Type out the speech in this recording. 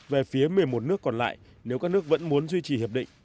về phía một mươi một nước còn lại nếu các nước vẫn muốn duy trì hiệp định